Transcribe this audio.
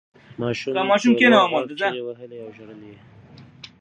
ماشوم په لوړ غږ چیغې وهلې او ژړل یې.